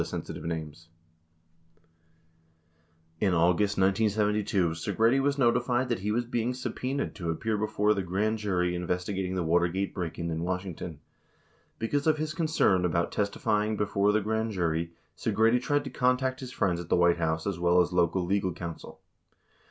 179 In August 1972, Segretti was notified that he was being subpenaed to appear before the grand jury investigating the Watergate break in in Washington. Because of his concern about testifying before the grand jury, Segretti tried to contact his friends at the White House as well as local legal counsel.